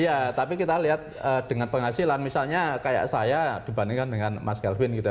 iya tapi kita lihat dengan penghasilan misalnya kayak saya dibandingkan dengan mas kelvin gitu